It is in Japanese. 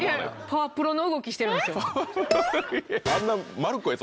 パワプロの動きしてるんですよ。